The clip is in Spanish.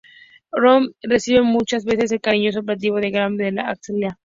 Roddenberry recibe muchas veces el cariñoso apelativo de "Gran Ave de la Galaxia.